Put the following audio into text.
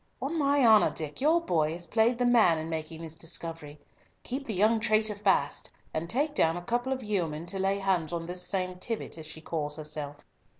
On my honour, Dick, your boy has played the man in making this discovery. Keep the young traitor fast, and take down a couple of yeomen to lay hands on this same Tibbott as she calls herself."